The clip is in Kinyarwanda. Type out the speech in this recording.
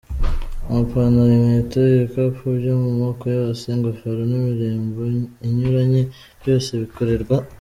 Amapantaro Inkweto, ibikapu byo mu moko yose. ingofero n’imirimbo Inyuranye byose bikorerwa.